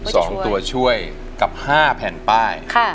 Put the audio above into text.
สองตัวช่วยกับห้าแผ่นป้ายค่ะ